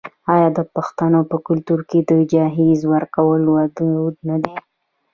آیا د پښتنو په کلتور کې د جهیز ورکول دود نه دی؟